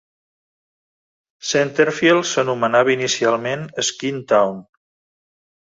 Centerfield s'anomenava inicialment Skin Town.